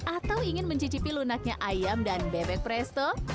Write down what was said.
atau ingin mencicipi lunaknya ayam dan bebek presto